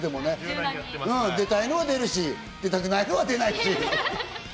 出たいのは出るし、出たくないの出ない。